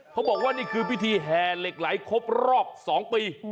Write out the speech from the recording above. เขาบอกว่านี่คือพิธีแห่เหล็กไหลครบรอบ๒ปี